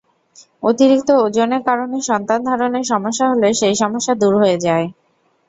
অতিরিক্ত ওজনের কারণে সন্তান ধারণে সমস্যা হলে সেই সমস্যা দূর হয়ে যায়।